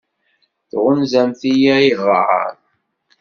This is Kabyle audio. Tɣunzamt-iyi ayɣer?